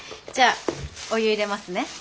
じゃあお湯入れますね。